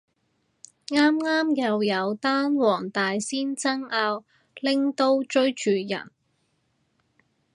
啱啱又有單黃大仙爭拗拎刀追住人